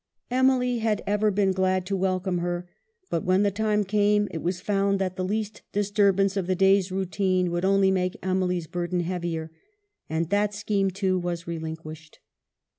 Emily had ever been glad to welcome her. But when the time came it was found that the least disturbance of the day's routine would only make Emily's burden heavier. And that scheme, too, was relinquished.